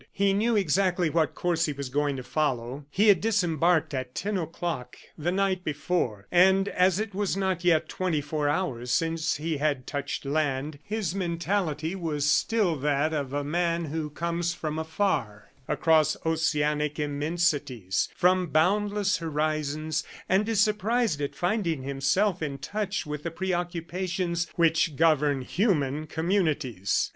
He knew exactly what course he was going to follow. He had disembarked at ten o'clock the night before, and as it was not yet twenty four hours since he had touched land, his mentality was still that of a man who comes from afar, across oceanic immensities, from boundless horizons, and is surprised at finding himself in touch with the preoccupations which govern human communities.